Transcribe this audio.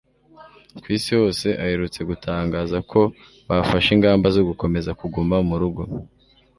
ku isi hose aherutse gutangaza ko bafashe ingamba zo gukomeza kuguma mu rugo